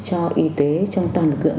cho y tế trong toàn lực lượng